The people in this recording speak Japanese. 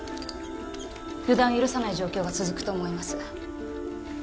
予断を許さない状況が続くと思います